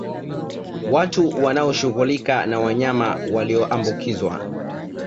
Watu wanaoshughulika na wanyama walioambukizwa